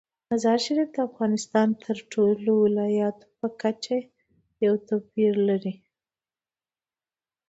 مزارشریف د افغانستان د ټولو ولایاتو په کچه یو توپیر لري.